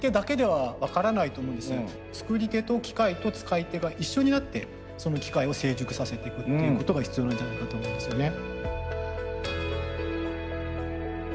作り手と機械と使い手が一緒になってその機械を成熟させてくっていうことが必要なんじゃないかと思うんですよね。